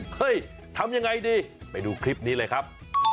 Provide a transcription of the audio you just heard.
ทำยังไงดีไปดูคลิปนี้เลยครับ